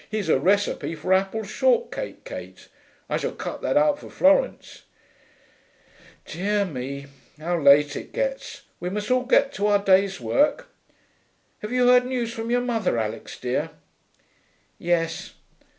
Here's a recipe for apple shortcake, Kate: I shall cut that out for Florence.... Dear me, how late it gets! We must all get to our day's work.... Have you heard news from your mother, Alix dear?' 'Yes.'